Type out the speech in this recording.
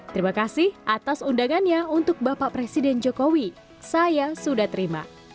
terima kasih atas undangannya untuk bapak presiden jokowi saya sudah terima